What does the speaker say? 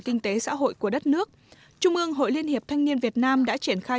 kinh tế xã hội của đất nước trung ương hội liên hiệp thanh niên việt nam đã triển khai